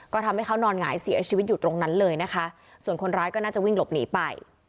ก็ทำให้เขานอนหงายเสียชีวิตอยู่ตรงนั้นเลยนะคะ